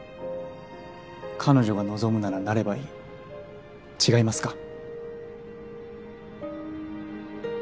彼女が望むならなればいい違いますか？